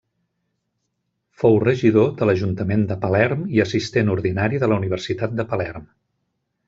Fou regidor de l'ajuntament de Palerm i assistent ordinari de la Universitat de Palerm.